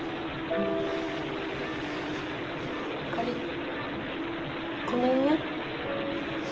あかりごめんね。